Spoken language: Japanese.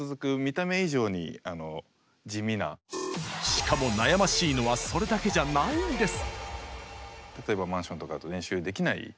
しかも悩ましいのはそれだけじゃないんです！